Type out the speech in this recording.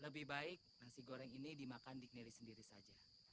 lebih baik nasi goreng ini dimakan di kendiri sendiri saja